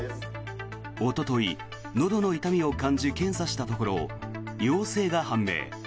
おととい、のどの痛みを感じ検査したところ陽性が判明。